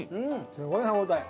すごい歯応え。